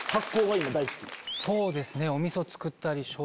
そうですね。